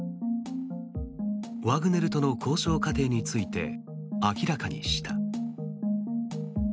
ワグネルとの交渉過程について明らかにした。